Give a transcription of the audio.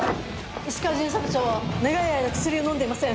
石川巡査部長は長い間薬を飲んでいません。